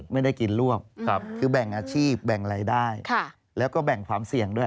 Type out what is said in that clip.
ไม่ได้กินร่วมคือแบ่งอาชีพแบ่งรายได้แล้วก็แบ่งความเสี่ยงด้วย